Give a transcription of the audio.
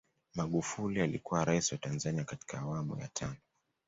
magufuli alikuwa rais wa tanzania katika awamu ya tano